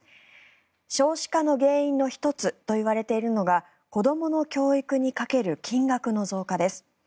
少子化の原因の１つといわれているのが子どもの教育にかける金額の増加です。